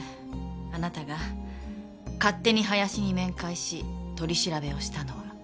あなたが勝手に林に面会し取り調べをしたのは。